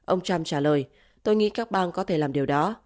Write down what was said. ông trump trả lời tôi nghĩ các bang có thể làm điều đó